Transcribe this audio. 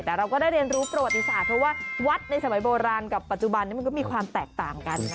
แต่เราก็ได้เรียนรู้ประวัติศาสตร์เพราะว่าวัดในสมัยโบราณกับปัจจุบันนี้มันก็มีความแตกต่างกันนะ